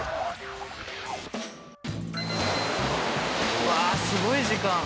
うわすごい時間。